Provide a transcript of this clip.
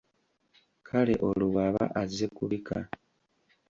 Kale olwo bw’aba azze kubika?